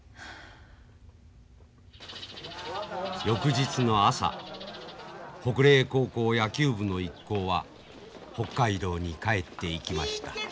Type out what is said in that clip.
翌日の朝北嶺高校野球部の一行は北海道に帰っていきました。